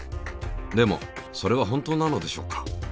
でもそれは本当なのでしょうか。